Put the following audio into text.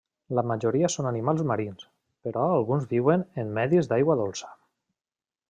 La majoria són animals marins, però alguns viuen en medis d'aigua dolça.